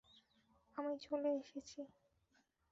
আমি চলে এসেছি!